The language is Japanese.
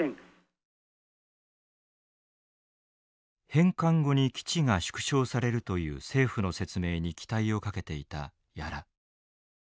返還後に基地が縮小されるという政府の説明に期待をかけていた屋良。